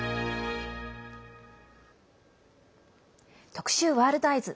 特集「ワールドＥＹＥＳ」。